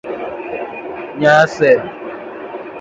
Its capital is Stiens.